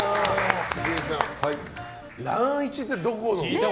ランイチってどこの。